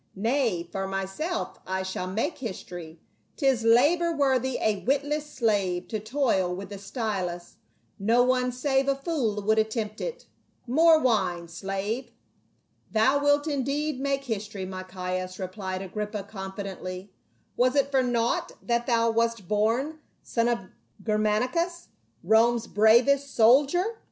Nay, for myself I shall make history ; 'tis labor worthy a witless slave to toil with the stylus, no one save a fool would attempt it. More wine, slave." " Thou wilt indeed make history, my Caius," replied Agrippa, confidently. " Was it for naught that thou wast born son of Germanicus, Rome's bravest soldier